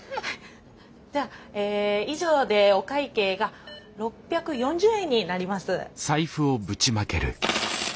では以上でお会計が６４０円になります。